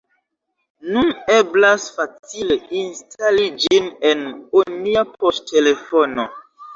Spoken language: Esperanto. nun eblas facile instali ĝin en onia poŝtelefono.